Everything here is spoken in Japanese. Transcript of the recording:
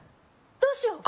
どうしよう